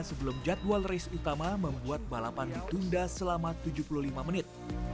sebelum jadwal race utama membuat balapan ditunda selama tujuh puluh lima menit